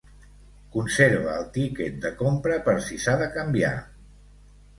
Conserva el tiquet de compra per si s'ha de canviar.